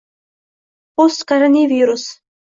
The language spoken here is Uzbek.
Postcoronavirus